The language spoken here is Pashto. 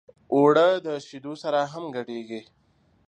اوړه د شیدو سره هم ګډېږي